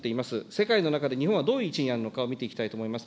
世界の中で日本はどの位置にあるのかを見ていきたいと思います。